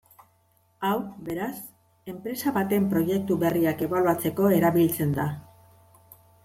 Hau, beraz, enpresa baten proiektu berriak ebaluatzeko erabiltzen da.